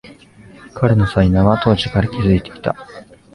彼の才能は当時から気づいていた